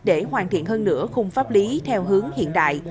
để hoàn thiện hơn nửa khung pháp lý theo hướng hiện đại